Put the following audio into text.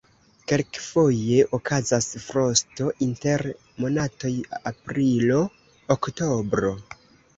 Kelkfoje okazas frosto inter monatoj aprilo-oktobro.